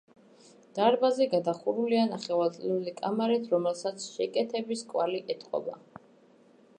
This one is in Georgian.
დარბაზი გადახურულია ნახევარწრიული კამარით, რომელსაც შეკეთების კვალი ეტყობა.